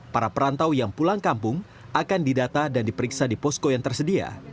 para perantau yang pulang kampung akan didata dan diperiksa di posko yang tersedia